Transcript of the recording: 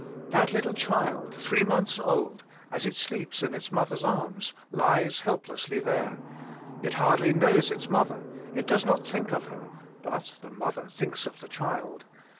That little child, three months old, as it sleeps in its mother's arms, lies helplessly there ; it hardly knows its mother, it does not think of Jesus Hirhself, 43 her, but the mother thinks of the child.